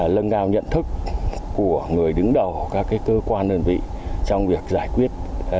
lân cao nhận thức của người đứng đầu các cơ quan đơn vị trong việc giải quyết